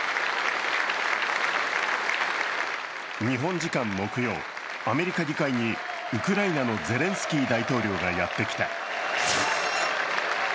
日本時間木曜、アメリカ議会にウクライナのゼレンスキー大統領がやってきた。